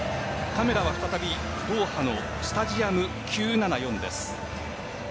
カメラは再びドーハのスタジアム９７４です。